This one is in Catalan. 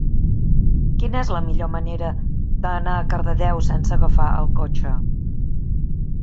Quina és la millor manera d'anar a Cardedeu sense agafar el cotxe?